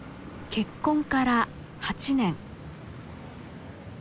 結婚から８年。